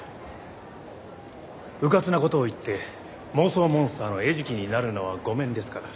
うかつな事を言って妄想モンスターの餌食になるのは御免ですから。